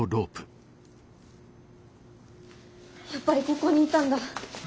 やっぱりここにいたんだ。